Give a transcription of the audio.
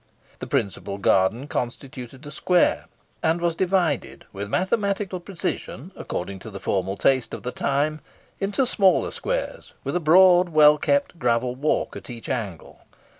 The principal garden constituted a square, and was divided with mathematical precision, according to the formal taste of the time, into smaller squares, with a broad well kept gravel walk at each angle.